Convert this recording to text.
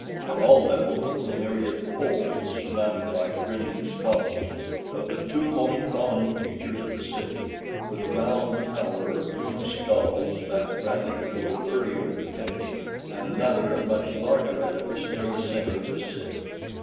At all levels were the myriad poles surmounted by grinning skulls; but the two most prominent features of the city were the round tower of human skulls that Bradley had noted earlier in the day and another and much larger edifice near the center of the city.